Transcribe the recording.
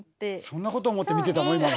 そんなこと思って見てたの？